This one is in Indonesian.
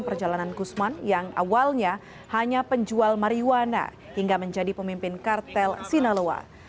pertama sekali saya ingin menjawab pertanyaan